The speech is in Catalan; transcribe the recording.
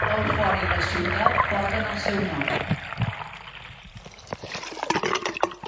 El fort i la ciutat porten el seu nom.